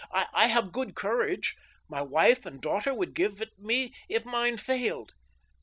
I have good courage — my wife and daughter would give it me if mine failed.